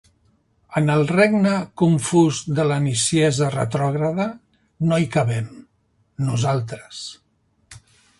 En el regne confús de la niciesa retrògrada no hi cabem, nosaltres.